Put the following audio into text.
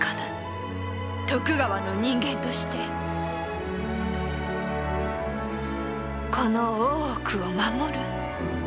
徳川の人間としてこの大奥を守る。